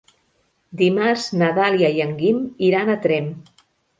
Dimarts na Dàlia i en Guim iran a Tremp.